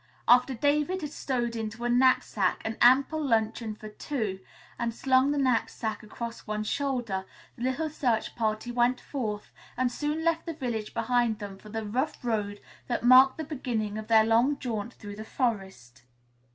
After David had stowed into a knapsack an ample luncheon for the two, and slung the knapsack across one shoulder, the little search party went forth and soon left the village behind them for the rough road that marked the beginning of their long jaunt through the forest.